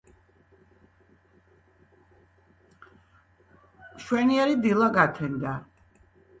მშვენიერი დილა გათენდა